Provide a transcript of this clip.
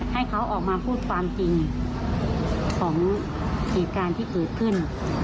ให้เขาออกมาพูดความจริงของเหตุการณ์ที่เกิดขึ้น